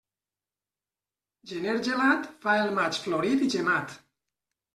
Gener gelat fa el maig florit i gemat.